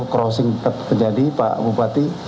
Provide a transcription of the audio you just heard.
crossing terjadi pak bupati